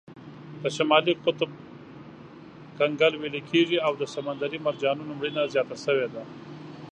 د شمالي قطب کنګل ویلې کیږي او د سمندري مرجانونو مړینه زیاته شوې ده.